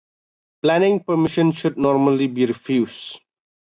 D - Planning Permission should normally be refused.